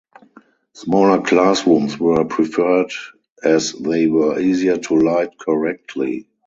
Smaller classrooms were preferred as they were easier to light correctly.